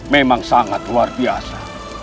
memang sangat luar biasa